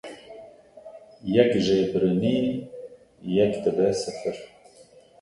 yek jêbirinî yek dibe sifir